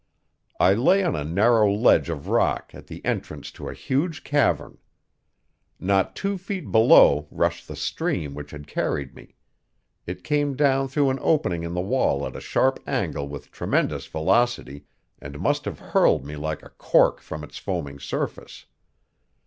I lay on a narrow ledge of rock at the entrance to a huge cavern. Not two feet below rushed the stream which had carried me; it came down through an opening in the wall at a sharp angle with tremendous velocity, and must have hurled me like a cork from its foaming surface.